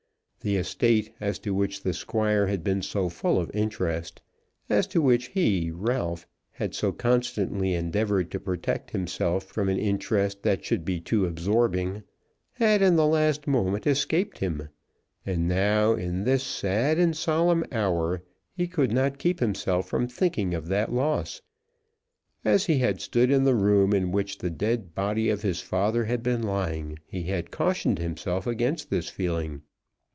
The estate as to which the Squire had been so full of interest, as to which he, Ralph, had so constantly endeavoured to protect himself from an interest that should be too absorbing, had in the last moment escaped him. And now, in this sad and solemn hour, he could not keep himself from thinking of that loss. As he had stood in the room in which the dead body of his father had been lying, he had cautioned himself against this feeling.